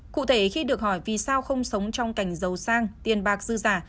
cụ thể khi được hỏi vì sao không sống trong cảnh giàu sang tiền bạc dư giả